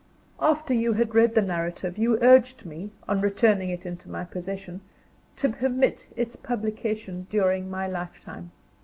After you had read the narrative, you urged me, on returning it into my possession, to permit its publication during my lifetime.